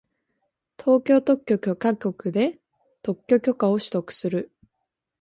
東京特許許可局で特許許可を取得する